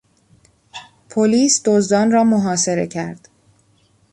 پلیس دزدان را محاصره کرد.